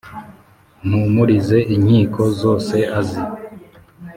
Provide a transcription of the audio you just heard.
Mpumurize inkiko zose azi